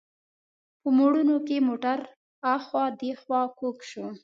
په موړونو کې موټر هاخوا دیخوا کوږ شو.